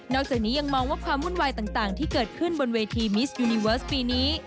จากนี้ยังมองว่าความวุ่นวายต่างที่เกิดขึ้นบนเวทีมิสยูนิเวิร์สปีนี้